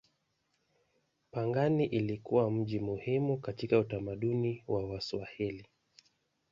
Pangani ilikuwa mji muhimu katika utamaduni wa Waswahili.